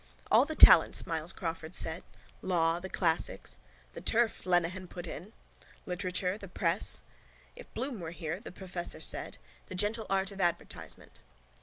—All the talents, Myles Crawford said. Law, the classics... —The turf, Lenehan put in. —Literature, the press. —If Bloom were here, the professor said. The gentle art of advertisement.